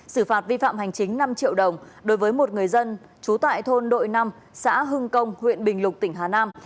xử phạt vi phạm hành chính năm triệu đồng đối với một người dân trú tại thôn đội năm xã hưng công huyện bình lục tỉnh hà nam